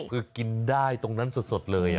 คือกินได้ตรงนั้นสดเลย